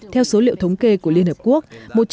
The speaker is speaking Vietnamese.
theo số liệu thống kê của liên hợp quốc